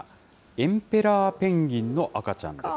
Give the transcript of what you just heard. エンペラーペンギンの赤ちゃんです。